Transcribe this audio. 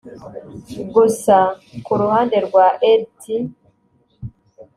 Gusa ku ruhande rwa Lt